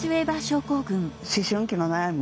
思春期の悩み？